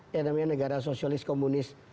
yang namanya negara sosialis komunis